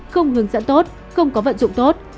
không có vận dụng tốt